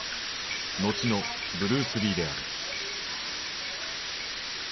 後のブルース・リーである。